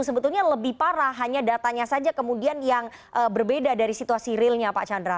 sebetulnya lebih parah hanya datanya saja kemudian yang berbeda dari situasi realnya pak chandra